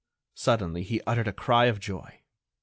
Suddenly he uttered a cry of joy.